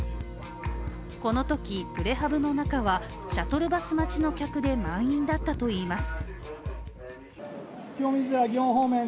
このときプレハブの中はシャトルバス待ちの客で満員だったといいます。